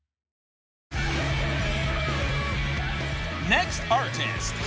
［ネクストアーティスト。